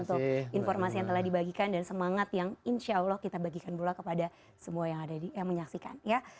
untuk informasi yang telah dibagikan dan semangat yang insya allah kita bagikan pula kepada semua yang ada di yang menyaksikan ya